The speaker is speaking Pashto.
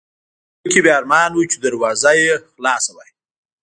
په زړه کې مې ارمان و چې دروازه یې خلاصه وای.